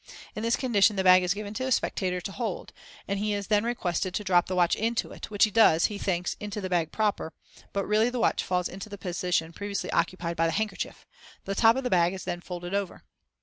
In this condition the bag is given to a spectator to hold, and he is then requested to drop the watch into it, which he does, as he thinks, into the bag proper, but really the watch falls into the position previously occupied by the handkerchief. The top of the bag is then folded over.